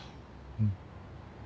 うん。